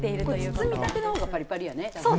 包みたての方がパリパリやね。